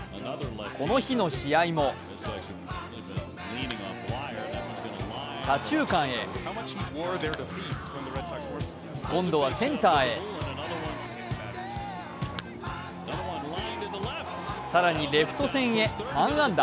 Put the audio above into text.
この日の試合も左中間へ今度はセンターへ更にレフト線へ３安打。